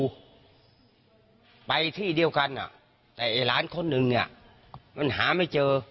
ใส่ที่เดียวกันแต่ไอ้หลานคนหนึ่งมันหาไม่เจอ